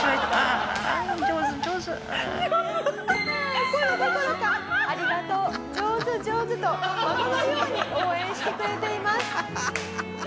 怒るどころか「ありがとう」「上手上手」と孫のように応援してくれています。